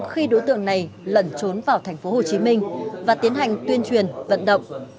khi đối tượng này lẩn trốn vào thành phố hồ chí minh và tiến hành tuyên truyền vận động